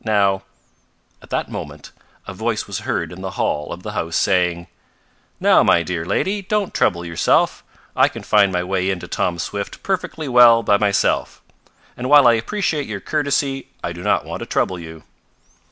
Now " At that moment a voice was heard in the hall of the house saying: "Now, my dear lady, don't trouble yourself. I can find my way in to Tom Swift perfectly well by myself, and while I appreciate your courtesy I do not want to trouble you."